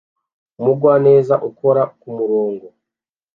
Umugwaneza ukora kumurongo